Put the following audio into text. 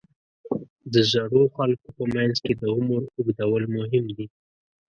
د زړو خلکو په منځ کې د عمر اوږدول مهم دي.